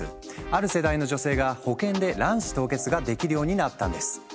ある世代の女性が保険で卵子凍結ができるようになったんです。